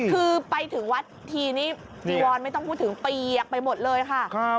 คือไปถึงวัดทีนี้จีวอนไม่ต้องพูดถึงเปียกไปหมดเลยค่ะ